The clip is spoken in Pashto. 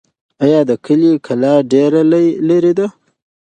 آیا د کلي کلا ډېر لرې ده؟